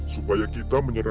supaya kita menyebutkan